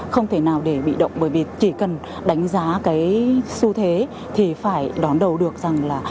không thể nào để bị động bởi vì chỉ cần đánh giá cái xu thế thì phải đón đầu được rằng là